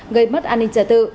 gây mất an ninh trả tự